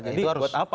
jadi buat apa